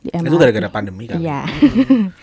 itu gara gara pandemi kali